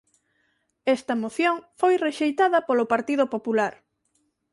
Esta moción foi rexeitada polo Partido Popular.